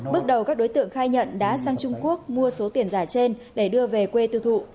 bước đầu các đối tượng khai nhận đã sang trung quốc mua số tiền giả trên để đưa về quê tiêu thụ